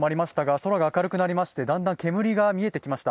空が明るくなりまして、だんだん煙が見えてきました。